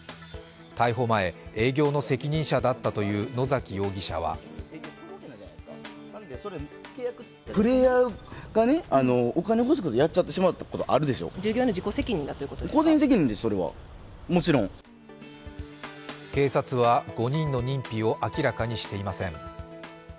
逮捕前、営業の責任者だったという野崎容疑者は警察は５人の認否を明らかにしていません。